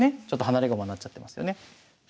ちょっと離れ駒になっちゃってますよね。